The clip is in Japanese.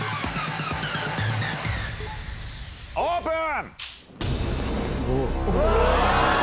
オープン！